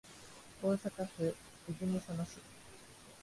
大阪府泉佐野市